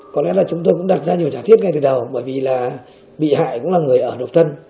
có lẽ là chúng tôi cũng đặt ra nhiều trả thiết ngay từ đầu bởi vì là bị hại cũng là người ở độc thân